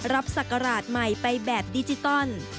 ศักราชใหม่ไปแบบดิจิตอล